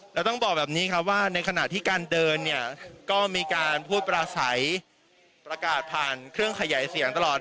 แล้วต้องบอกแบบนี้ครับว่าในขณะที่การเดินเนี่ยก็มีการพูดปราศัยประกาศผ่านเครื่องขยายเสียงตลอด